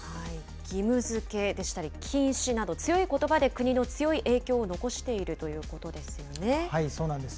義務づけでしたり、禁止など、強いことばで国の強い影響を残しそうなんです。